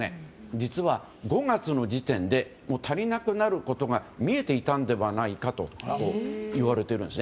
実は、５月の時点で足りなくなることが見えていたのではないかといわれているんです。